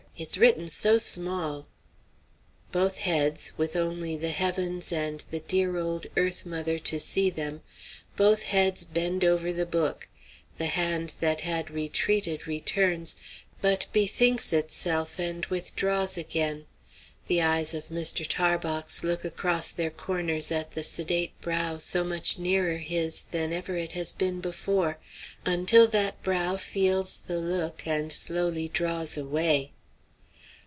It's written so small" Both heads, with only the heavens and the dear old earth mother to see them, both heads bend over the book; the hand that had retreated returns, but bethinks itself and withdraws again; the eyes of Mr. Tarbox look across their corners at the sedate brow so much nearer his than ever it has been before, until that brow feels the look, and slowly draws away.